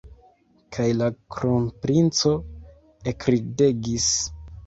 Kaj la kronprinco ekridegis.